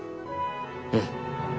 うん！